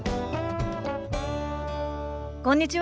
こんにちは。